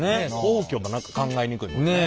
皇居も何か考えにくいもんね。